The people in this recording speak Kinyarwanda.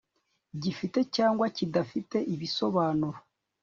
gifite cyangwa kidafite ibisobanuro